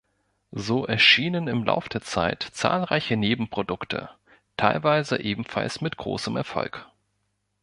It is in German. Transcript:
So erschienen im Lauf der Zeit zahlreiche Nebenprodukte, teilweise ebenfalls mit großem Erfolg.